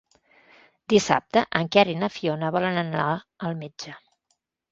Dissabte en Quer i na Fiona volen anar al metge.